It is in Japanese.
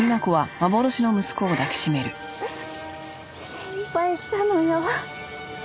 心配したのよ。